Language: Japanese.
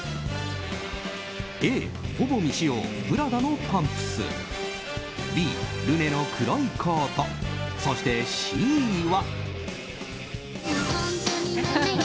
Ａ、ほぼ未使用プラダのパンプスＢ、ルネの黒いコートそしてＣは。